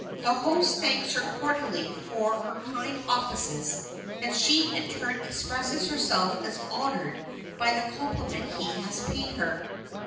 The host thanks her cordially for her kind offices, and she in turn expresses herself as honored by the compliment he has paid her.